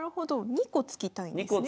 ２個突きたいんですね。